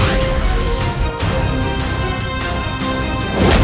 ayo kita cepat keluar